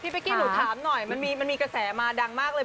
เป๊กกี้หนูถามหน่อยมันมีกระแสมาดังมากเลย